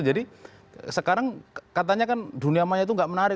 jadi sekarang katanya kan dunia maya itu nggak menarik